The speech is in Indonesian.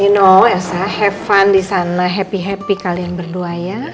no saya have fun di sana happy happy kalian berdua ya